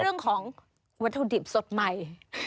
เรื่องของวัตถุดิบสดใหม่